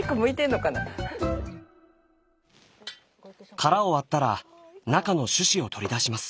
殻を割ったら中の種子を取り出します。